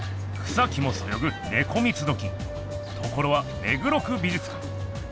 草木もそよぐネコ三つどきところは目黒区美術館。